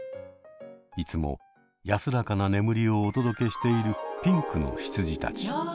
いつも安らかな眠りをお届けしているピンクの羊たち。